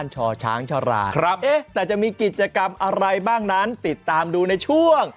ช่อช้างฉลาดครับแต่จะมีกิจกรรมอะไรบ้างนั้นติดตามดูในช่วง